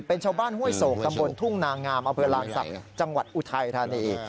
เป็นชาวบ้านห้วยโศกตำบลทุ่งนางามเอาเพื่อหลังจากจังหวัดอุทัยท่านี